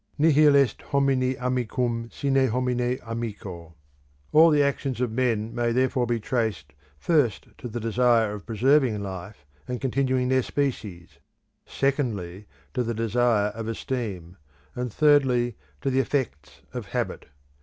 Nihil est homini amicum sine homine amico. All the actions of men may therefore be traced first to the desire of preserving life and continuing their species; secondly to the desire of esteem; and thirdly to the effects of habit.